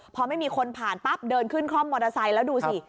พอไม่มีคนผ่านปั๊บเดินขึ้นคล่อมมอเตอร์ไซค์แล้วดูสิ